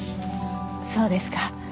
そうですか。